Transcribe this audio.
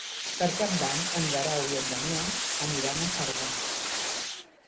Per Cap d'Any en Guerau i en Damià aniran a Cerdà.